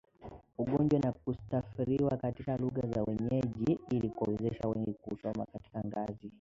ugonjwa na kutafsiriwa katika lugha za wenyeji ili kuwawezesha wengi kuusoma katika ngazi